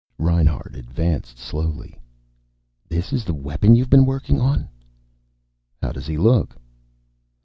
Reinhart advanced slowly. "This is the weapon you've been working on?" "How does he look?"